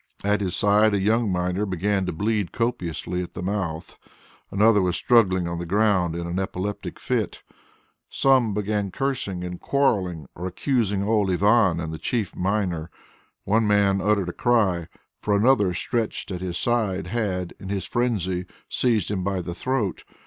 At his side a young miner began to bleed copiously at the mouth; another was struggling on the ground in an epileptic fit. Some began cursing and quarrelling or accusing old Ivan and the chief miner. One man uttered a cry, for another stretched at his side, had, in his frenzy, seized him by the throat.